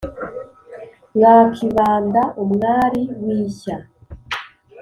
mwa kibanda umwari w'ishya